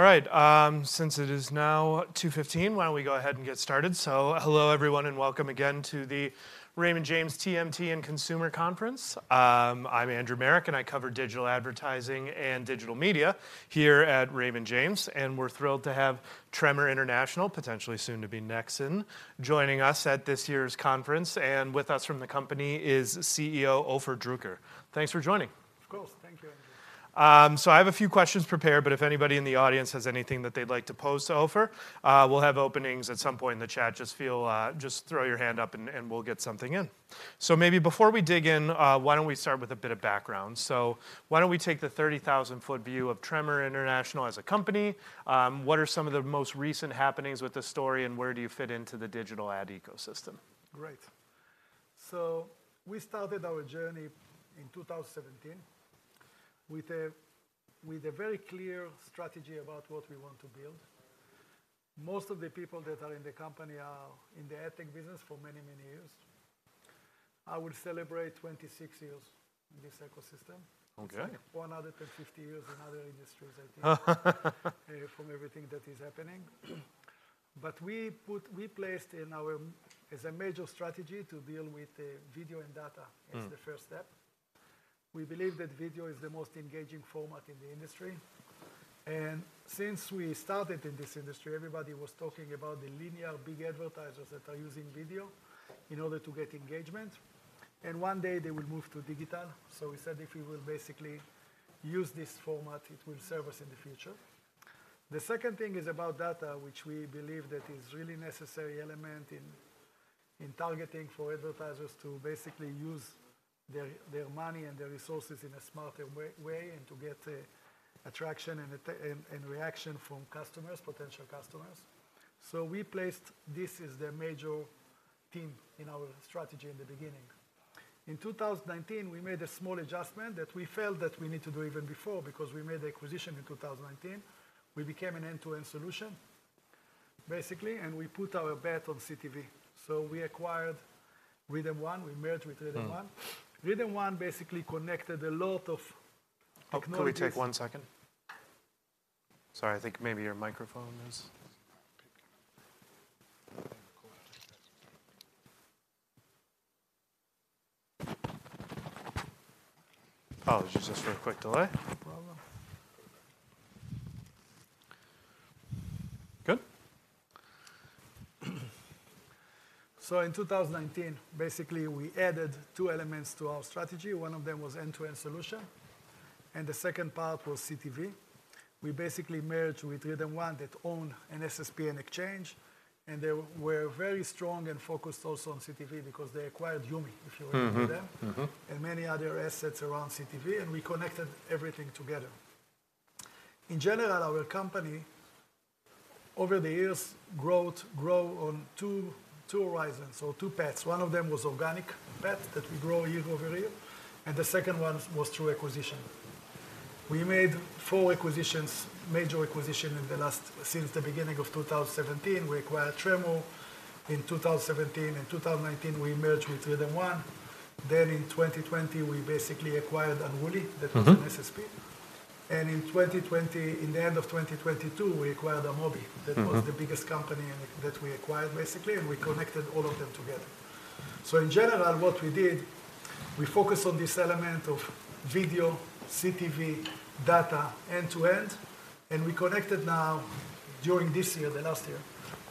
All right, since it is now 2:15 P.M., why don't we go ahead and get started? So hello, everyone, and welcome again to the Raymond James TMT and Consumer Conference. I'm Andrew Marok, and I cover digital advertising and digital media here at Raymond James, and we're thrilled to have Tremor International, potentially soon to be Nexxen, joining us at this year's conference. And with us from the company is CEO Ofer Druker. Thanks for joining. Of course. Thank you, Andrew. So I have a few questions prepared, but if anybody in the audience has anything that they'd like to pose to Ofer, we'll have openings at some point in the chat. Just feel, just throw your hand up, and we'll get something in. So maybe before we dig in, why don't we start with a bit of background? So why don't we take the 30,000-foot view of Tremor International as a company? What are some of the most recent happenings with the story, and where do you fit into the digital ad ecosystem? Great. We started our journey in 2017 with a very clear strategy about what we want to build. Most of the people that are in the company are in the ad tech business for many, many years. I will celebrate 26 years in this ecosystem. Okay. 150 years in other industries, I think—from everything that is happening. But we put... We placed in our, as a major strategy to deal with, video and data- Mm. as the first step. We believe that video is the most engaging format in the industry, and since we started in this industry, everybody was talking about the linear big advertisers that are using video in order to get engagement, and one day they will move to digital. So we said, if we will basically use this format, it will serve us in the future. The second thing is about data, which we believe that is really necessary element in targeting for advertisers to basically use their money and their resources in a smarter way, and to get attraction and reaction from customers, potential customers. So we placed this as the major theme in our strategy in the beginning. In 2019, we made a small adjustment that we felt that we need to do even before, because we made the acquisition in 2019. We became an end-to-end solution, basically, and we put our bet on CTV. We acquired RhythmOne. We merged with RhythmOne. Mm. RhythmOne basically connected a lot of technologies- Can we take one second? Sorry, I think maybe your microphone is... Oh, there's just a very quick delay. No problem. Good? So in 2019, basically, we added two elements to our strategy. One of them was end-to-end solution, and the second part was CTV. We basically merged with RhythmOne, that owned an SSP and exchange, and they were very strong and focused also on CTV because they acquired YuMe, if you remember them. Mm-hmm. Mm-hmm. And many other assets around CTV, and we connected everything together. In general, our company, over the years, grow on two horizons or two paths. One of them was organic path that we grow year over year, and the second one was through acquisition. We made four major acquisitions in the last since the beginning of 2017. We acquired Tremor in 2017. In 2019, we merged with RhythmOne. Then in 2020, we basically acquired Unruly- Mm-hmm.... that was an SSP. And in 2020, in the end of 2022, we acquired Amobee- Mm-hmm. That was the biggest company and that we acquired, basically, and we connected all of them together. So in general, what we did, we focused on this element of video, CTV, data, end-to-end, and we connected now, during this year, the last year,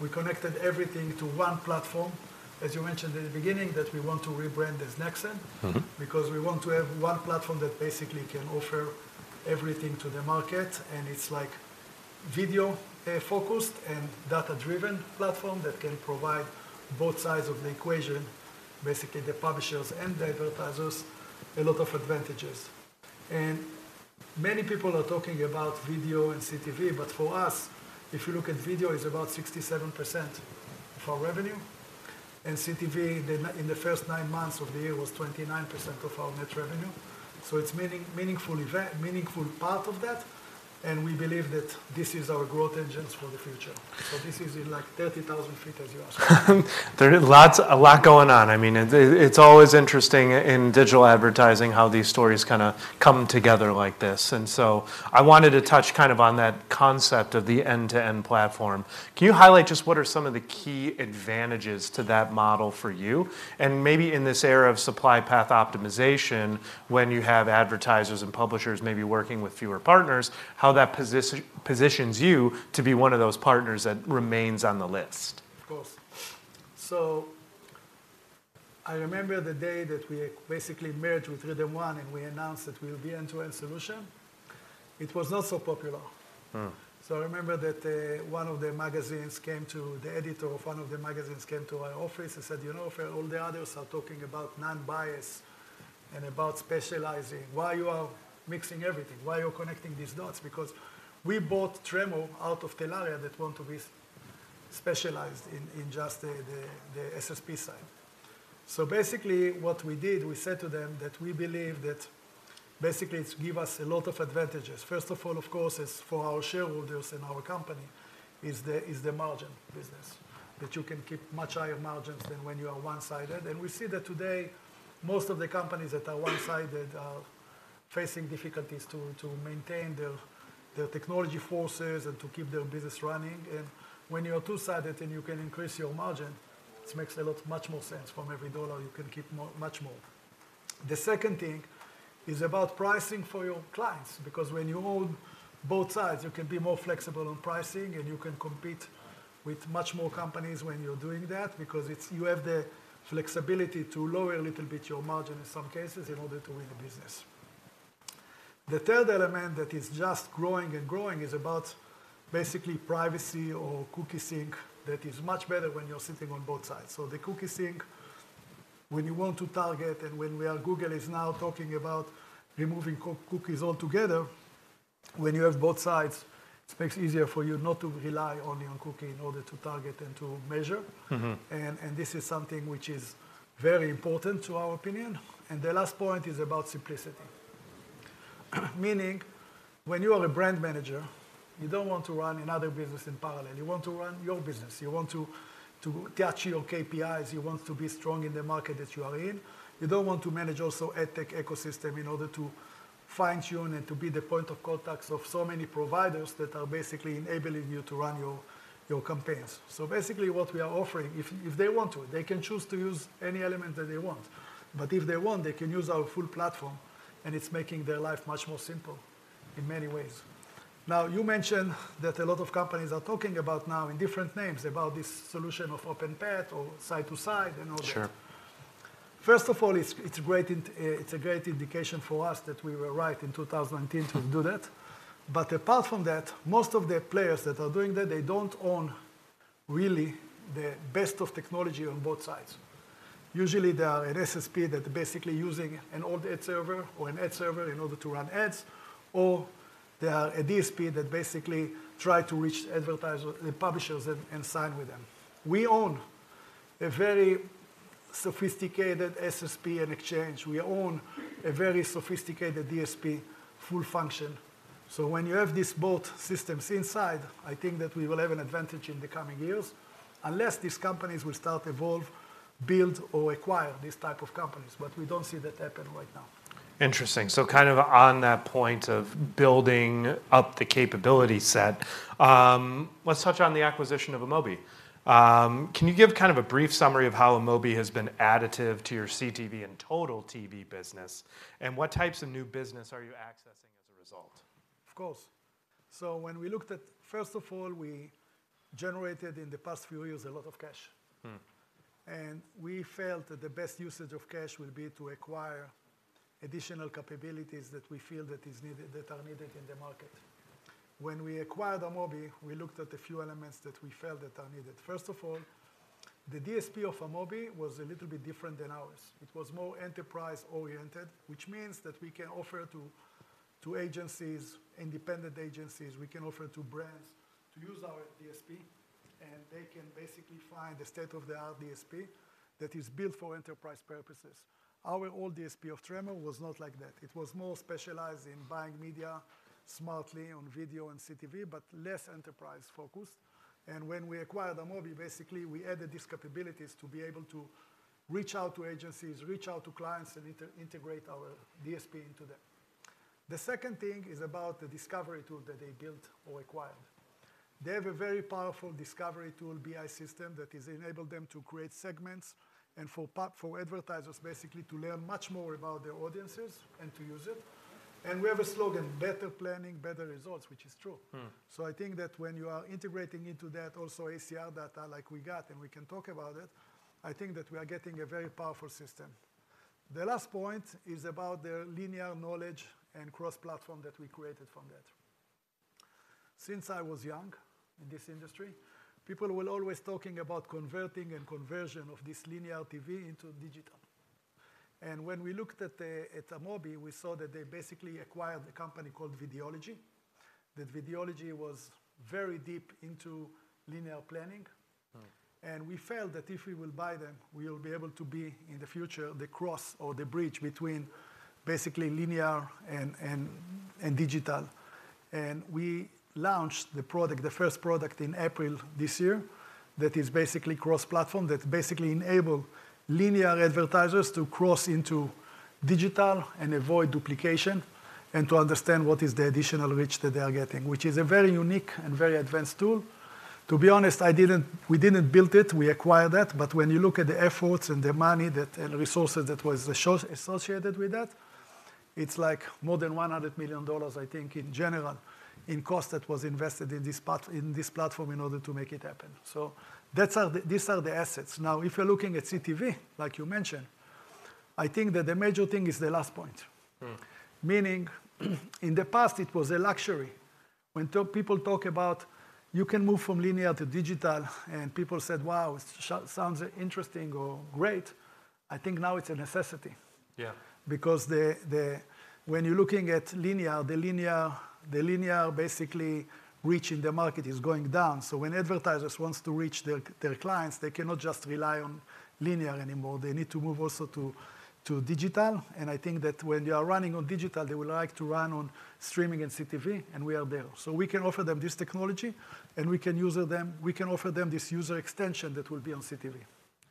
we connected everything to one platform. As you mentioned in the beginning, that we want to rebrand as Nexxen. Mm-hmm.... because we want to have one platform that basically can offer everything to the market, and it's like video, focused and data-driven platform that can provide both sides of the equation, basically the publishers and the advertisers, a lot of advantages. And many people are talking about video and CTV, but for us, if you look at video, it's about 67% of our revenue, and CTV, in the first nine months of the year, was 29% of our net revenue. So it's meaningful part of that, and we believe that this is our growth engines for the future. So this is in, like, 30,000 feet, as you asked. There are lots, a lot going on. I mean, it, it's always interesting in digital advertising how these stories kind of come together like this. And so I wanted to touch kind of on that concept of the end-to-end platform. Can you highlight just what are some of the key advantages to that model for you? And maybe in this era of supply path optimization, when you have advertisers and publishers maybe working with fewer partners, how that positions you to be one of those partners that remains on the list? Of course. So I remember the day that we basically merged with RhythmOne, and we announced that we'll be an end-to-end solution. It was not so popular. Mm. So I remember that the editor of one of the magazines came to our office and said, "You know, Ofer, all the others are talking about non-bias and about specializing. Why you are mixing everything? Why you're connecting these dots?" Because we bought Tremor out of Telaria that want to be specialized in just the SSP side. So basically, what we did, we said to them that we believe that basically it give us a lot of advantages. First of all, of course, is for our shareholders and our company is the margin business. That you can keep much higher margins than when you are one-sided. And we see that today, most of the companies that are one-sided are facing difficulties to maintain their technology forces and to keep their business running. When you are two-sided, then you can increase your margin. It makes a lot more sense. From every dollar, you can keep more, much more. The second thing is about pricing for your clients, because when you own both sides, you can be more flexible on pricing, and you can compete with much more companies when you're doing that because it's you have the flexibility to lower a little bit your margin in some cases in order to win the business. The third element that is just growing and growing is about basically privacy or cookie sync. That is much better when you're sitting on both sides. So the cookie sync, when you want to target, and when we are, Google is now talking about removing cookies altogether. When you have both sides, it makes it easier for you not to rely only on cookie in order to target and to measure. Mm-hmm. This is something which is very important in our opinion. The last point is about simplicity. Meaning when you are a brand manager, you don't want to run another business in parallel. You want to run your business. You want to get your KPIs. You want to be strong in the market that you are in. You don't want to manage also ad tech ecosystem in order to fine-tune and to be the point of contacts of so many providers that are basically enabling you to run your campaigns. So basically what we are offering, if they want to, they can choose to use any element that they want, but if they want, they can use our full platform, and it's making their life much more simple in many ways. Now, you mentioned that a lot of companies are talking about now, in different names, about this solution of supply path optimization and all that. Sure. First of all, it's a great indication for us that we were right in 2010 to do that. But apart from that, most of the players that are doing that, they don't own really the best of technology on both sides. Usually, there are an SSP that are basically using an old ad server or an ad server in order to run ads, or there are a DSP that basically try to reach advertisers, the publishers and sign with them. We own a very sophisticated SSP and exchange. We own a very sophisticated DSP, full function. So when you have these both systems inside, I think that we will have an advantage in the coming years, unless these companies will start, evolve, build, or acquire these type of companies. But we don't see that happen right now. Interesting. So kind of on that point of building up the capability set, let's touch on the acquisition of Amobee. Can you give kind of a brief summary of how Amobee has been additive to your CTV and Total TV business, and what types of new business are you accessing as a result? Of course. So when we looked at... First of all, we generated in the past few years a lot of cash. Mm. We felt that the best usage of cash will be to acquire additional capabilities that we feel that is needed, that are needed in the market. When we acquired Amobee, we looked at a few elements that we felt that are needed. First of all, the DSP of Amobee was a little bit different than ours. It was more enterprise-oriented, which means that we can offer to, to agencies, independent agencies, we can offer to brands to use our DSP, and they can basically find a state-of-the-art DSP that is built for enterprise purposes. Our old DSP of Tremor was not like that. It was more specialized in buying media smartly on video and CTV, but less enterprise-focused. When we acquired Amobee, basically we added these capabilities to be able to reach out to agencies, reach out to clients, and integrate our DSP into them. The second thing is about the discovery tool that they built or acquired. They have a very powerful discovery tool, BI system, that has enabled them to create segments and for advertisers, basically to learn much more about their audiences and to use it. And we have a slogan, "Better planning, better results," which is true. Mm. So I think that when you are integrating into that also ACR data like we got, and we can talk about it, I think that we are getting a very powerful system. The last point is about their linear knowledge and cross-platform that we created from that. Since I was young in this industry, people were always talking about converting and conversion of this linear TV into digital. And when we looked at Amobee, we saw that they basically acquired a company called Videology. That Videology was very deep into linear planning. Right. We felt that if we will buy them, we will be able to be, in the future, the cross or the bridge between basically linear and digital. We launched the product, the first product in April this year, that is basically cross-platform, that basically enable linear advertisers to cross into digital and avoid duplication, and to understand what is the additional reach that they are getting, which is a very unique and very advanced tool. To be honest, I didn't, we didn't build it, we acquired that. But when you look at the efforts and the money that, and resources that was associated with that, it's like more than $100 million, I think, in general, in cost that was invested in this in this platform in order to make it happen. So these are the assets. Now, if you're looking at CTV, like you mentioned, I think that the major thing is the last point. Mm. Meaning, in the past, it was a luxury. When people talk about you can move from linear to digital, and people said: "Wow, sounds interesting or great," I think now it's a necessity. Yeah. Because when you're looking at linear, the linear basically reaching the market is going down. So when advertisers wants to reach their clients, they cannot just rely on linear anymore. They need to move also to digital, and I think that when they are running on digital, they would like to run on streaming and CTV, and we are there. So we can offer them this technology, and we can use them, we can offer them this user extension that will be on CTV. ...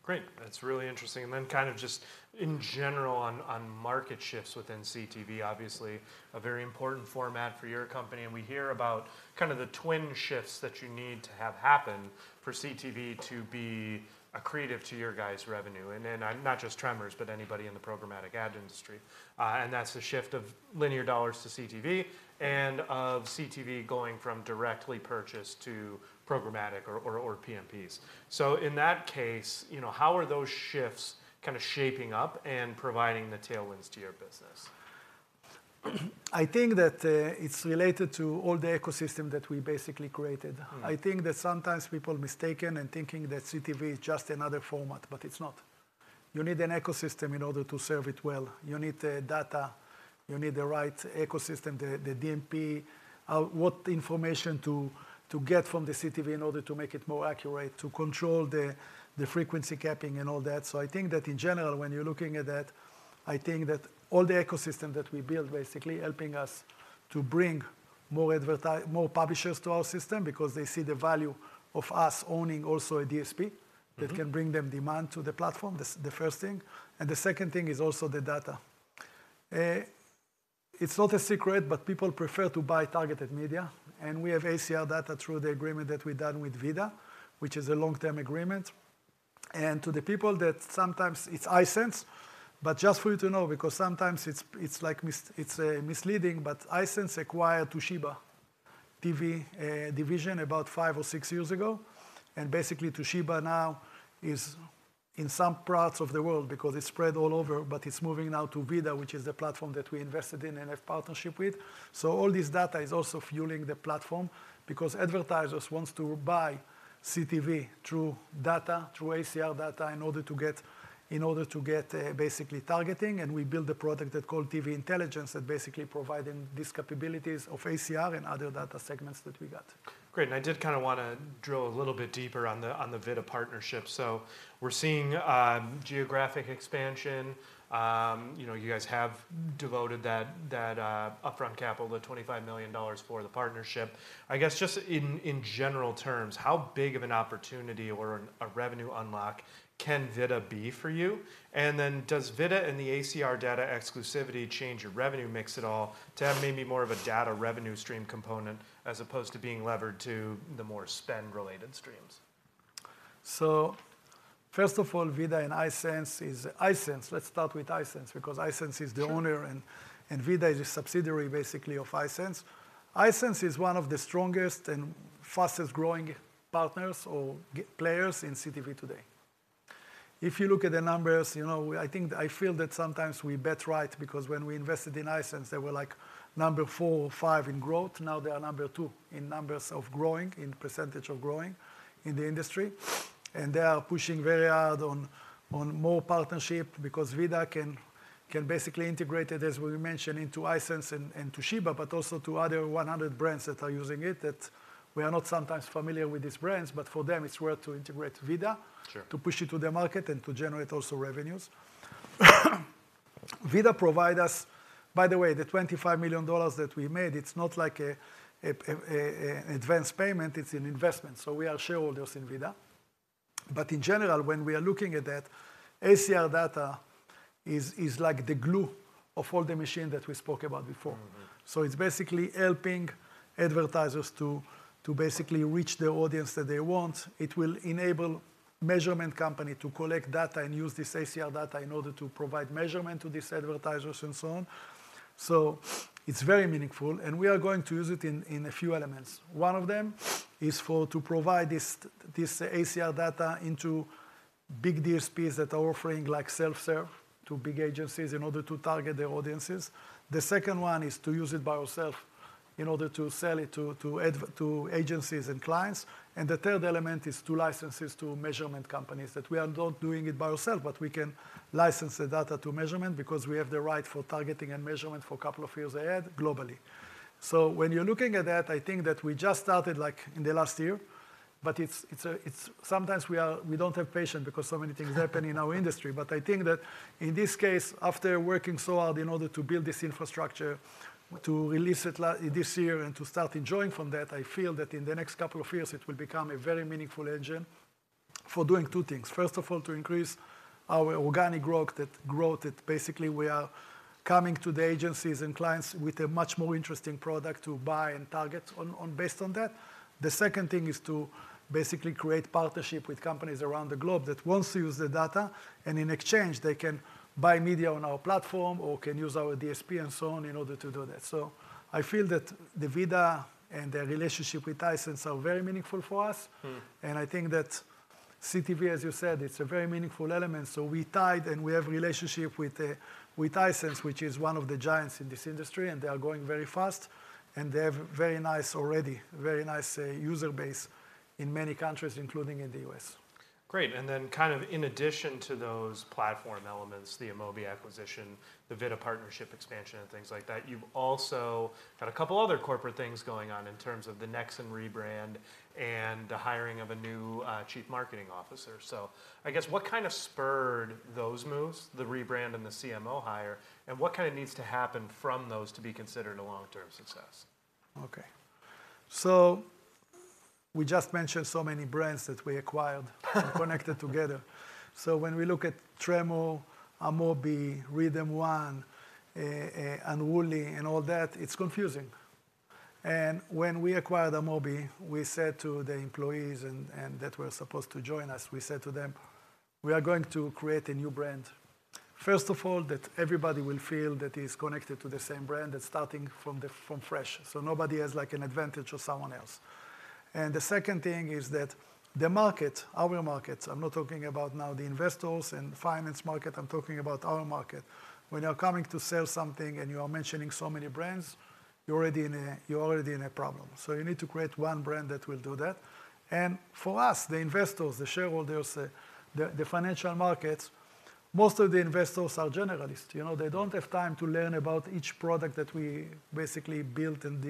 Great. That's really interesting. And then kind of just in general on market shifts within CTV, obviously, a very important format for your company, and we hear about kind of the twin shifts that you need to have happen for CTV to be accretive to your guys' revenue, and then not just Tremor’s, but anybody in the programmatic ad industry. And that's the shift of linear dollars to CTV and of CTV going from directly purchased to programmatic or PMPs. So in that case, you know, how are those shifts kind of shaping up and providing the tailwinds to your business? I think that, it's related to all the ecosystem that we basically created. Mm. I think that sometimes people mistaken in thinking that CTV is just another format, but it's not. You need an ecosystem in order to serve it well. You need the data, you need the right ecosystem, the DMP, what information to get from the CTV in order to make it more accurate, to control the frequency capping and all that. So I think that in general, when you're looking at that, I think that all the ecosystem that we built basically helping us to bring more publishers to our system because they see the value of us owning also a DSP- Mm.... that can bring them demand to the platform. This the first thing, and the second thing is also the data. It's not a secret, but people prefer to buy targeted media, and we have ACR data through the agreement that we've done with VIDAA, which is a long-term agreement. And to the people that sometimes it's Hisense, but just for you to know, because sometimes it's like misleading, but Hisense acquired Toshiba TV division about five or six years ago, and basically Toshiba now is in some parts of the world because it's spread all over, but it's moving now to VIDAA, which is the platform that we invested in and have partnership with. So all this data is also fueling the platform because advertisers wants to buy CTV through data, through ACR data, in order to get basically targeting, and we build a product that's called TV Intelligence that basically providing these capabilities of ACR and other data segments that we got. Great, and I did kinda wanna drill a little bit deeper on the, on the VIDAA partnership. So we're seeing geographic expansion. You know, you guys have devoted that, that upfront capital, the $25 million for the partnership. I guess just in, in general terms, how big of an opportunity or an, a revenue unlock can VIDAA be for you? And then does VIDAA and the ACR data exclusivity change your revenue mix at all to have maybe more of a data revenue stream component as opposed to being levered to the more spend-related streams? So first of all, VIDAA and Hisense is... Hisense, let's start with Hisense, because Hisense is the owner- Sure.... and VIDAA is a subsidiary, basically of Hisense. Hisense is one of the strongest and fastest-growing partners or players in CTV today. If you look at the numbers, you know, I think—I feel that sometimes we bet right, because when we invested in Hisense, they were like number four or five in growth. Now, they are number two in numbers of growing, in percentage of growing in the industry. And they are pushing very hard on, on more partnership because VIDAA can, can basically integrate it, as we mentioned, into Hisense and, and Toshiba, but also to other 100 brands that are using it, that we are not sometimes familiar with these brands, but for them it's worth to integrate VIDAA- Sure.... to push it to the market and to generate also revenues. VIDAA provide us... By the way, the $25 million that we made, it's not like an advance payment, it's an investment, so we are shareholders in VIDAA. But in general, when we are looking at that, ACR data is like the glue of all the machine that we spoke about before. Mm-hmm. So it's basically helping advertisers to basically reach the audience that they want. It will enable measurement company to collect data and use this ACR data in order to provide measurement to these advertisers and so on. So it's very meaningful, and we are going to use it in a few elements. One of them is to provide this ACR data into big DSPs that are offering, like self-serve, to big agencies in order to target their audiences. The second one is to use it by ourself in order to sell it to agencies and clients. And the third element is to license this to measurement companies, that we are not doing it by ourself, but we can license the data to measurement because we have the right for targeting and measurement for a couple of years ahead, globally. So when you're looking at that, I think that we just started, like in the last year, but it's sometimes we are, we don't have patience because so many things happen in our industry. But I think that in this case, after working so hard in order to build this infrastructure, to release it this year and to start enjoying from that, I feel that in the next couple of years, it will become a very meaningful engine for doing two things. First of all, to increase our organic growth, that growth, that basically we are coming to the agencies and clients with a much more interesting product to buy and target on based on that. The second thing is to basically create partnership with companies around the globe that wants to use the data, and in exchange, they can buy media on our platform or can use our DSP and so on, in order to do that. So I feel that the VIDAA and the relationship with Hisense are very meaningful for us. Mm. I think that CTV, as you said, it's a very meaningful element, so we tied and we have relationship with, with Hisense, which is one of the giants in this industry, and they are growing very fast, and they have very nice already, very nice, user base in many countries, including in the U.S. Great, and then kind of in addition to those platform elements, the Amobee acquisition, the VIDAA partnership expansion, and things like that, you've also got a couple other corporate things going on in terms of the Nexxen rebrand and the hiring of a new Chief Marketing Officer. So I guess, what kind of spurred those moves, the rebrand and the CMO hire, and what kind of needs to happen from those to be considered a long-term success? Okay. So we just mentioned so many brands that we acquired and connected together. So when we look at Tremor, Amobee, RhythmOne, Unruly and all that, it's confusing. And when we acquired Amobee, we said to the employees and that were supposed to join us, we said to them, "We are going to create a new brand." First of all, that everybody will feel that is connected to the same brand and starting from fresh, so nobody has, like, an advantage of someone else. And the second thing is that the market, our markets, I'm not talking about now the investors and finance market, I'm talking about our market. When you're coming to sell something and you are mentioning so many brands, you're already in a problem, so you need to create one brand that will do that. And for us, the investors, the shareholders, the financial markets, most of the investors are generalists. You know, they don't have time to learn about each product that we basically built and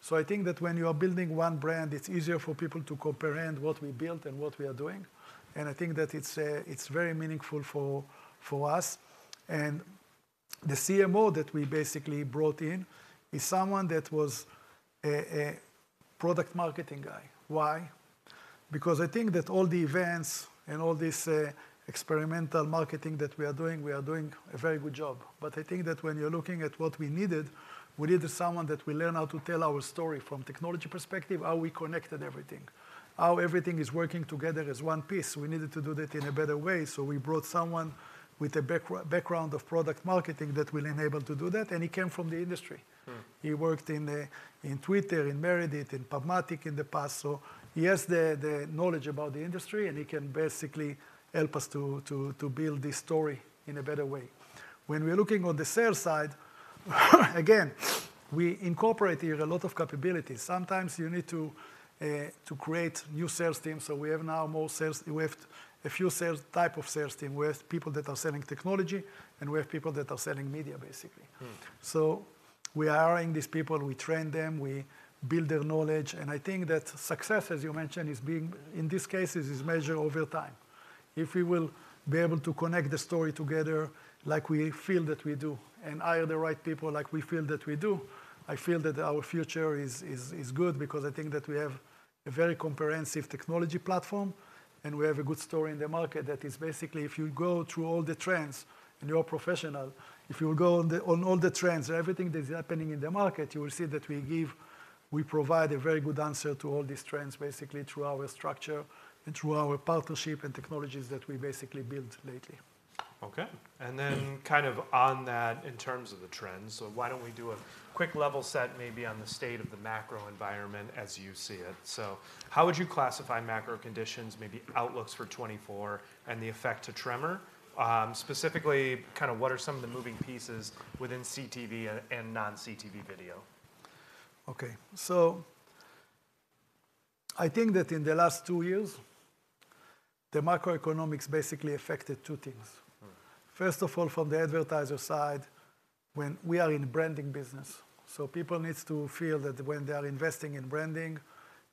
did. So I think that when you are building one brand, it's easier for people to comprehend what we built and what we are doing, and I think that it's very meaningful for us. And the CMO that we basically brought in is someone that was a product marketing guy. Why? Because I think that all the events and all this experimental marketing that we are doing, we are doing a very good job. But I think that when you're looking at what we needed, we needed someone that will learn how to tell our story from technology perspective, how we connected everything, how everything is working together as one piece. We needed to do that in a better way, so we brought someone with a background of product marketing that will enable to do that, and he came from the industry. Hmm. He worked in Twitter, in Meredith, in PubMatic in the past, so he has the knowledge about the industry, and he can basically help us to build this story in a better way. When we're looking on the sales side, again, we incorporate here a lot of capabilities. Sometimes you need to create new sales teams, so we have now more sales. We have a few sales, type of sales team. We have people that are selling technology, and we have people that are selling media, basically. Hmm. So we are hiring these people, we train them, we build their knowledge, and I think that success, as you mentioned, is being, in this case, measured over time. If we will be able to connect the story together like we feel that we do, and hire the right people like we feel that we do, I feel that our future is good because I think that we have a very comprehensive technology platform, and we have a good story in the market that is basically, if you go through all the trends, and you're a professional, if you go on the, on all the trends and everything that is happening in the market, you will see that we give, we provide a very good answer to all these trends, basically through our structure and through our partnership and technologies that we basically built lately. Okay. And then kind of on that, in terms of the trends, so why don't we do a quick level set, maybe on the state of the macro environment as you see it? So how would you classify macro conditions, maybe outlooks for 2024 and the effect to Tremor? Specifically, kind of what are some of the moving pieces within CTV and non-CTV video? Okay. So I think that in the last two years, the macroeconomics basically affected two things. Hmm. First of all, from the advertiser side, when we are in branding business, so people needs to feel that when they are investing in branding,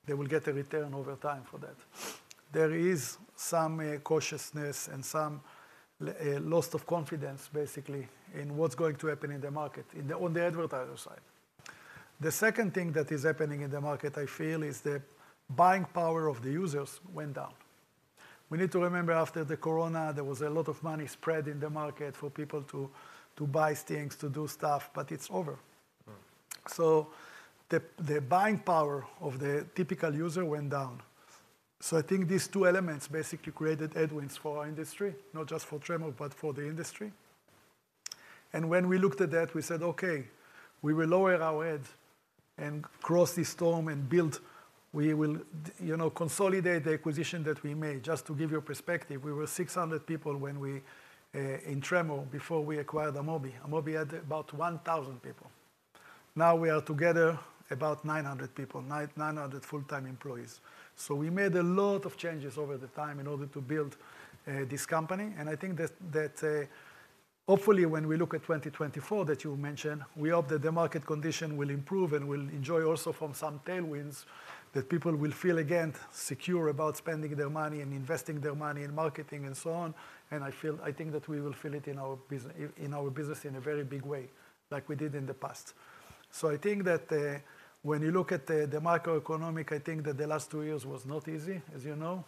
they will get a return over time for that. There is some cautiousness and some loss of confidence, basically, in what's going to happen in the market, in the on the advertiser side. The second thing that is happening in the market, I feel, is the buying power of the users went down. We need to remember, after the Corona, there was a lot of money spread in the market for people to buy things, to do stuff, but it's over. Hmm. So the buying power of the typical user went down. So I think these two elements basically created headwinds for our industry, not just for Tremor, but for the industry. And when we looked at that, we said, "Okay, we will lower our head and cross this storm and build. We will, you know, consolidate the acquisition that we made." Just to give you a perspective, we were 600 people when we in Tremor, before we acquired Amobee. Amobee had about 1,000 people. Now, we are together, about 900 people, 900 full-time employees. So we made a lot of changes over the time in order to build this company, and I think that hopefully, when we look at 2024, that you mentioned, we hope that the market condition will improve and will enjoy also from some tailwinds, that people will feel again secure about spending their money and investing their money in marketing and so on. And I feel, I think that we will feel it in our business in a very big way, like we did in the past. So I think that when you look at the macroeconomic, I think that the last two years was not easy, as you know,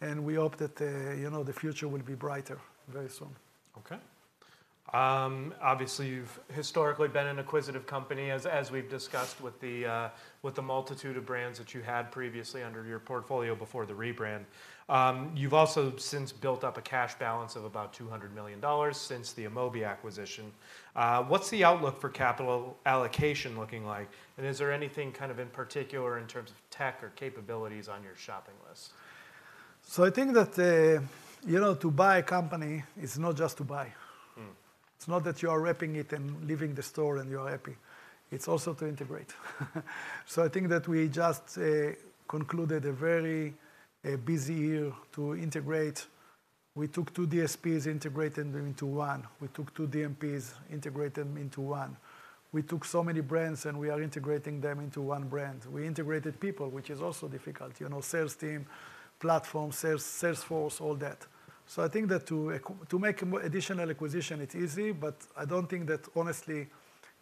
and we hope that you know, the future will be brighter very soon. Okay. Obviously, you've historically been an acquisitive company, as we've discussed, with the multitude of brands that you had previously under your portfolio before the rebrand. You've also since built up a cash balance of about $200 million since the Amobee acquisition. What's the outlook for capital allocation looking like, and is there anything kind of in particular in terms of tech or capabilities on your shopping list? I think that, you know, to buy a company, it's not just to buy. Hmm. It's not that you are wrapping it and leaving the store, and you are happy. It's also to integrate. So I think that we just concluded a very busy year to integrate. We took two DSPs, integrated them into one. We took two DMPs, integrated them into one. We took so many brands, and we are integrating them into one brand. We integrated people, which is also difficult, you know, sales team, platform, sales, sales force, all that. So I think that to make additional acquisition, it's easy, but I don't think that honestly,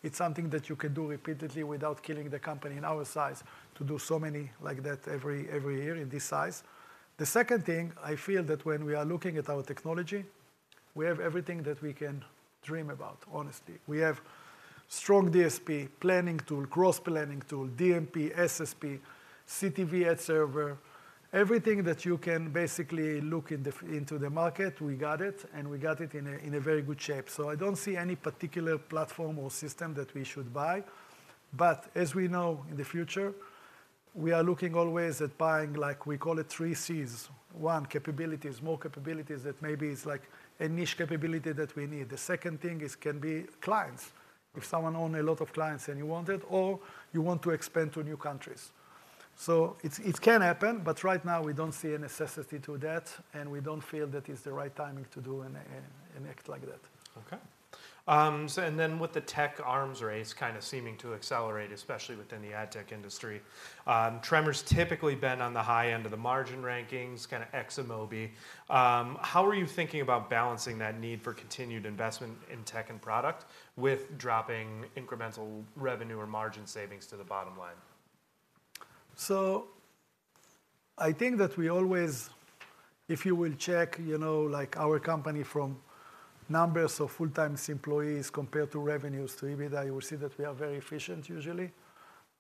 it's something that you can do repeatedly without killing the company in our size, to do so many like that every year in this size. The second thing, I feel that when we are looking at our technology, we have everything that we can dream about, honestly. We have strong DSP, planning tool, cross-planning tool, DMP, SSP, CTV ad server. Everything that you can basically look into the market, we got it, and we got it in a very good shape. So I don't see any particular platform or system that we should buy. But as we know, in the future, we are looking always at buying, like we call it, three Cs: one, capabilities, more capabilities that maybe it's like a niche capability that we need. The second thing is, can be clients. If someone own a lot of clients and you want it, or you want to expand to new countries. So it can happen, but right now we don't see a necessity to that, and we don't feel that it's the right timing to do an act like that. Okay. So and then with the tech arms race kind of seeming to accelerate, especially within the ad tech industry, Tremor's typically been on the high end of the margin rankings, kind of ex Amobee. How are you thinking about balancing that need for continued investment in tech and product, with dropping incremental revenue or margin savings to the bottom line? I think that we always, if you will check, you know, like, our company from numbers of full-time employees compared to revenues to EBITDA, you will see that we are very efficient usually.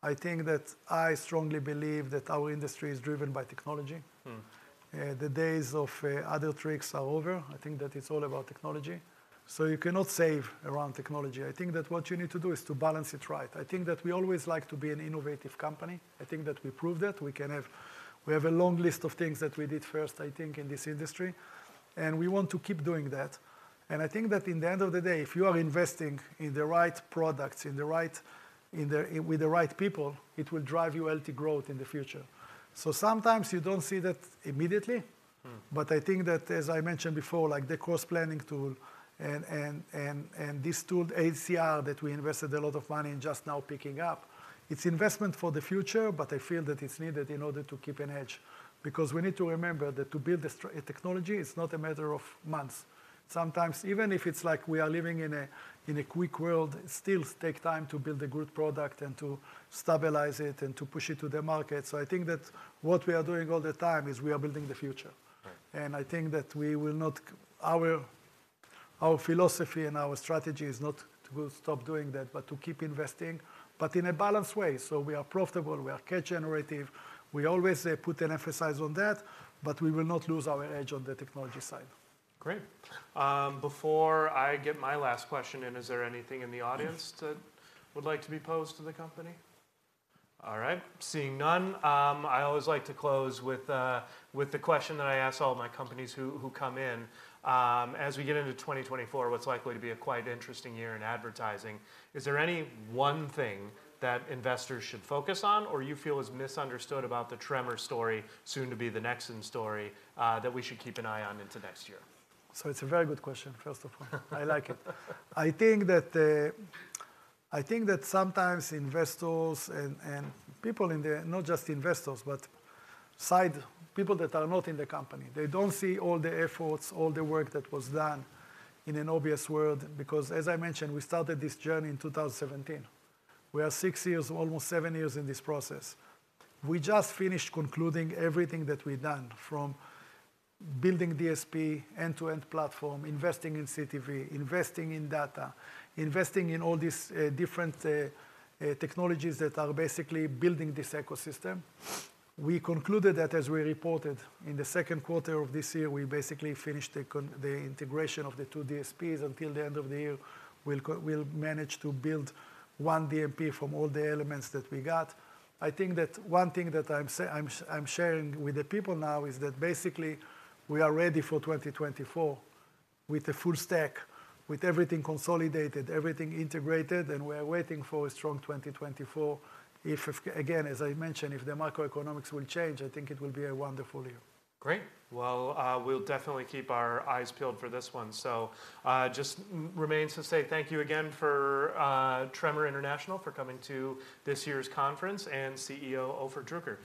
I think that I strongly believe that our industry is driven by technology. Mm. The days of other tricks are over. I think that it's all about technology. So you cannot save around technology. I think that what you need to do is to balance it right. I think that we always like to be an innovative company. I think that we proved that. We have a long list of things that we did first, I think, in this industry, and we want to keep doing that. And I think that in the end of the day, if you are investing in the right products, in the right... in the, with the right people, it will drive you healthy growth in the future. So sometimes you don't see that immediately. Mm. But I think that, as I mentioned before, like the cross-planning tool and this tool, ACR, that we invested a lot of money in just now picking up, it's investment for the future, but I feel that it's needed in order to keep an edge. Because we need to remember that to build a technology, it's not a matter of months. Sometimes, even if it's like we are living in a quick world, it still takes time to build a good product and to stabilize it and to push it to the market. So I think that what we are doing all the time is we are building the future. Right. I think that we will not... Our philosophy and our strategy is not to stop doing that, but to keep investing, but in a balanced way. We are profitable, we are cash generative. We always put an emphasis on that, but we will not lose our edge on the technology side. Great. Before I get my last question in, is there anything in the audience that would like to be posed to the company? All right, seeing none, I always like to close with the question that I ask all of my companies who come in, as we get into 2024, what's likely to be a quite interesting year in advertising, is there any one thing that investors should focus on or you feel is misunderstood about the Tremor story, soon to be the Nexxen story, that we should keep an eye on into next year? It's a very good question, first of all. I like it. I think that sometimes investors and people in the... not just investors, but outside people that are not in the company, they don't see all the efforts, all the work that was done in an obvious world, because as I mentioned, we started this journey in 2017. We are six years, almost seven years in this process. We just finished concluding everything that we've done, from building DSP, end-to-end platform, investing in CTV, investing in data, investing in all these different technologies that are basically building this ecosystem. We concluded that, as we reported in the second quarter of this year, we basically finished the integration of the two DSPs. Until the end of the year, we'll manage to build one DMP from all the elements that we got. I think that one thing that I'm sharing with the people now is that basically, we are ready for 2024 with a full stack, with everything consolidated, everything integrated, and we are waiting for a strong 2024. If, if, again, as I mentioned, if the macroeconomics will change, I think it will be a wonderful year. Great. Well, we'll definitely keep our eyes peeled for this one. So, just remains to say thank you again for, Tremor International, for coming to this year's conference, and CEO, Ofer Druker.